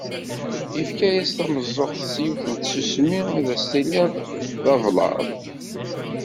Yefka-as tameẓẓuɣt s yiwet n tsusmi ad as-tiniḍ d ablaḍ.